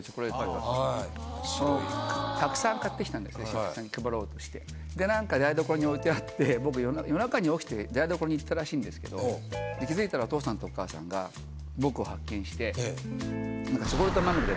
親戚さんに配ろうとしてで何か台所に置いてあって僕夜中に起きて台所に行ったらしいんですけど気付いたらお父さんとお母さんが僕を発見して。